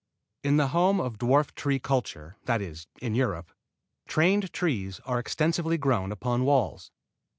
In the home of dwarf tree culture, that is, in Europe, trained trees are extensively grown upon walls.